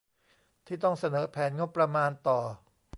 ที่ต้องเสนอแผนงบประมาณต่อ